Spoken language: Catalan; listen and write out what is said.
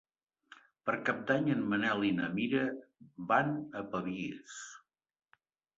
Per Cap d'Any en Manel i na Mira van a Pavies.